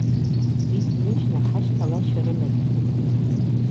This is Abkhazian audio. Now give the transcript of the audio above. Уи дныжьны ҳашьҭалашьа рымаӡам.